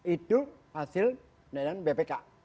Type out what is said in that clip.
itu hasil penelitian bpk